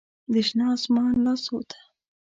د شنه اسمان لاسو ته